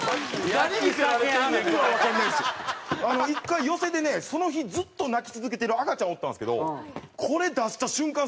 １回寄席でねその日ずっと泣き続けてる赤ちゃんおったんですけどこれ出した瞬間